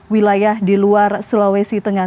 wilayah di luar sulawesi tengah